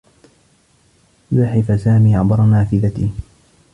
زحف سامي عبر نافذته.